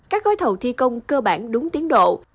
các gói thầu thi công cơ bản đúng tiến độ